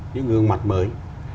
những gương mặt mới